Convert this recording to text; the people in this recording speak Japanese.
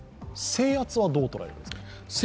制圧はどう捉えればいいですか。